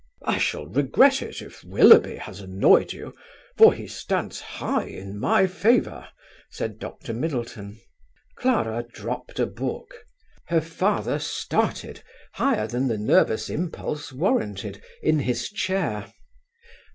"I shall regret it, if Willoughby has annoyed you, for he stands high in my favour," said Dr. Middleton. Clara dropped a book. Her father started higher than the nervous impulse warranted in his chair.